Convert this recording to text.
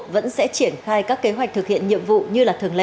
vẫn sẽ triển khai các kế hoạch thực hiện nhiệm vụ như là thường lệ